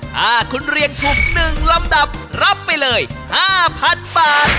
ถ้าคุณเรียงถูก๑ลำดับรับไปเลย๕๐๐๐บาท